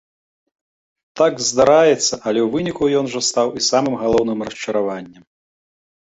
Так здараецца, але ў выніку ён жа стаў і самым галоўным расчараваннем.